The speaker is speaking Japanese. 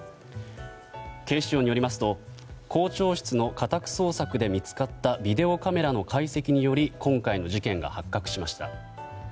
警視庁によりますと校長室の家宅捜索で見つかったビデオカメラの解析により今回の事件が発覚しました。